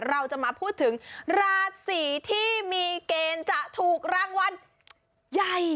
เราจะมาพูดถึงราศีที่มีเกณฑ์จะถูกรางวัลใหญ่